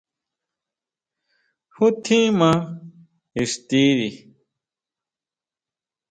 Jú tjín maa ixtiri.